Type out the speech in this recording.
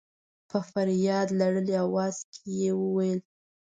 په فرياد لړلي اواز کې يې وويل.